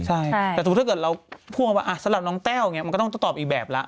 ใช่แต่ถ้าเกิดเราพ่วงว่าสำหรับน้องแต้วมันก็ต้องตอบอีกแบบละ